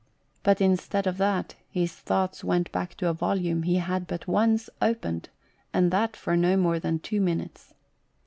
But instead of that, his thoughts went back to a volume he had but once 90 LUBRIETTA. opened, and that for no more than two minutes.